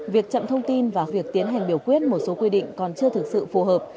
việc chậm thông tin và việc tiến hành biểu quyết một số quy định còn chưa thực sự phù hợp